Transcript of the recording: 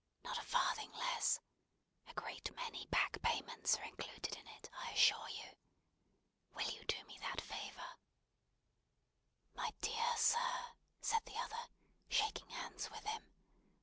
"Not a farthing less. A great many back payments are included in it, I assure you. Will you do me that favour?" "My dear sir," said the other, shaking hands with him.